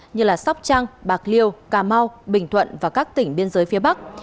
như sóc trăng bạc liêu cà mau bình thuận và các tỉnh biên giới phía bắc